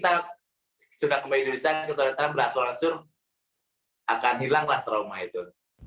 nah sudah kembali indonesia kita datang berhasil hasil akan hilanglah trauma itu